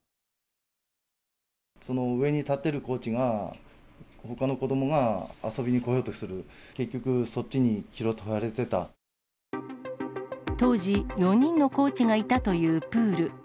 その上に立っているコーチが、ほかの子どもが遊びに来ようとする、結局、そっちに気を取られて当時、４人のコーチがいたというプール。